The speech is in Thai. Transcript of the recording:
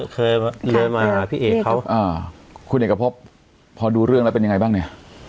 เคยมาพี่เอกเขาอ่าคุณเอกพบพอดูเรื่องแล้วเป็นยังไงบ้างเนี่ย